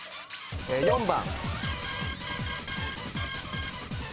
４番。